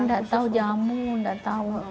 oh tidak tahu jamu tidak tahu